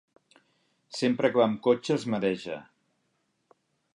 Sempre que va amb cotxe es mareja.